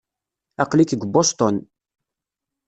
Aql-ik deg Boston.